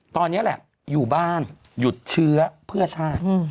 ตอนนี้แหละอยู่บ้านหยุดเชื้อเพื่อชาติ